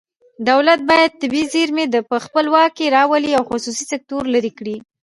دولت باید طبیعي زیرمې په خپل واک کې راولي او خصوصي سکتور لرې کړي